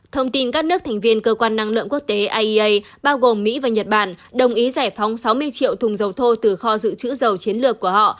thông tin các nước thành viên cơ quan năng lượng quốc tế iea bao gồm mỹ và nhật bản đồng ý giải phóng sáu mươi triệu thùng dầu thô từ kho dự trữ dầu chiến lược của họ